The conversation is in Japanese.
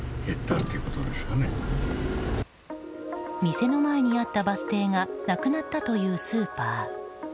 店の前にあったバス停がなくなったというスーパー。